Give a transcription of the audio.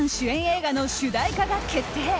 映画の主題歌が決定。